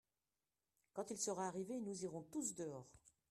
Quand il sera arrivé nous irons tous dehors.